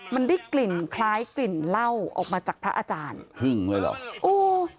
มันได้กลิ่นคล้ายกลิ่นเหล้าออกมาจากพระอาจารย์หึงเลยเหรอโอ้